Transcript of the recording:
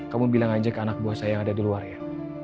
kamu bilang aja ke anak buah saya yang ada di luar ya